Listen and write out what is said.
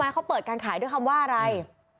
เขาเปิดการขายด้วยคำว่าอะไร